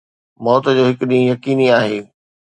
موت جو هڪ ڏينهن يقيني آهي